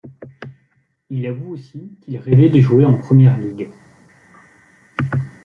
Il avoue aussi qu'il rêvait de jouer en Premier League.